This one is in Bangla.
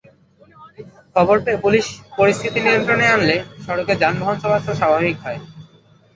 খবর পেয়ে পুলিশ পরিস্থিতি নিয়ন্ত্রণে আনলে সড়কে যানবাহন চলাচল স্বাভাবিক হয়।